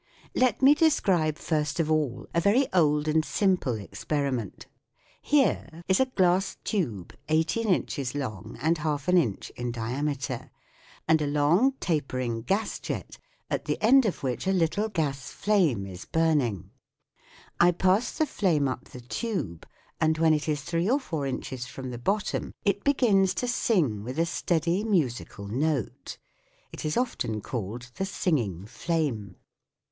Let me describe first of all a very old and simple experiment. Here (Fig. 48) is a glass tube eighteen inches long and half an inch in diameter ; and a long tapering gas jet at the end of which a 2 FIG. 48. Singing Flame. the results are very THE WORLD OF SOUND little gas flame is burning. I pass the flame up the tube, and when it is three or four inches from the bottom it begins to sing with a steady musical note. It is often called the singing flame.